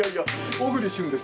小栗旬です。